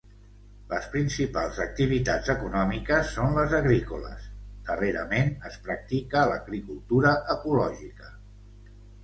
Les principals activitats econòmiques són les agrícoles, darrerament es practica l'agricultura ecològica.